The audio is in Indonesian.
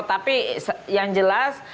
tapi yang jelas